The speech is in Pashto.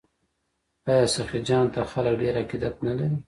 آیا سخي جان ته خلک ډیر عقیدت نلري؟